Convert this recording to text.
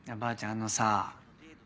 あのさぁ。